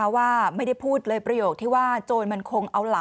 พ่อแบมนี่แหละ